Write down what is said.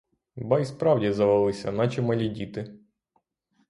Ба й справді, завелися, наче малі діти!